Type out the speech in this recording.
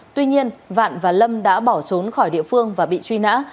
tuy nhiên vạn và lâm đã bỏ trốn khỏi địa phương và bị truy nã